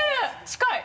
近い！